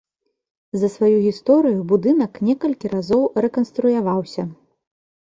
За сваю гісторыю будынак некалькі разоў рэканструяваўся.